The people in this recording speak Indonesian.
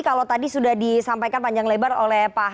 kalau tadi sudah disampaikan panjang lebar oleh pak